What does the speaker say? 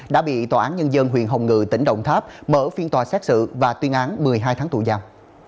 đã bị tòa án nhân dân huyện hồng ngự tỉnh đồng tháp mở phiên tòa xét xử và tuyên án một mươi hai tháng tù giam